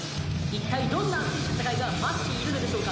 ・一体どんな熱い戦いが待っているのでしょうか・